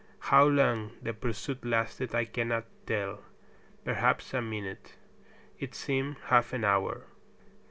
How long the pursuit lasted I cannot tell. Perhaps a minute. It seemed half an hour.